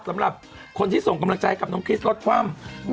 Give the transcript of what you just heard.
สำหรับคนที่ส่งกำลังใจกับน้องคริสรถคว่ำ